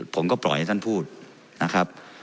ผมก็ปล่อยให้ท่านพูดนะครับ